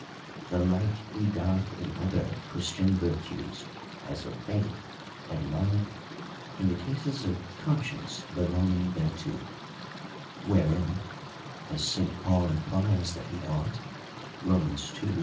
The like he doth in other Christian virtues, as of faith, and love, and the cases of conscience belonging thereto ; wherein (as St. Paul implies that he ought, Rom. ii.)